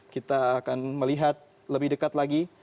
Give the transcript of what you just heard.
kita akan melihat lebih dekat lagi